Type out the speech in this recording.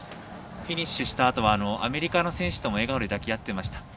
フィニッシュしたあとはアメリカの選手とも笑顔で抱き合ってました。